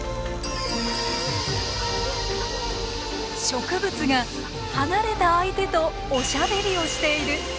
植物が離れた相手とおしゃべりをしている。